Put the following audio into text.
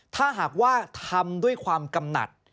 ถ้าหากว่าทำด้วยความกำหนัด